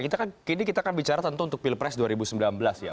kita kan kini kita akan bicara tentu untuk pilpres dua ribu sembilan belas ya